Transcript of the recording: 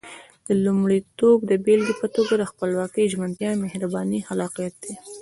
لومړيتوبونه د بېلګې په توګه خپلواکي، ژمنتيا، مهرباني، خلاقيت دي.